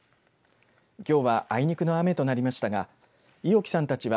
きょうはあいにくの雨となりましたが伊尾木さんたちは